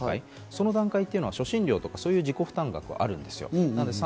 その段階というのは初診料とか自己負担額があるんですよ。